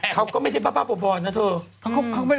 เขาก็ไม่ได้บ้าบอนนะเธอ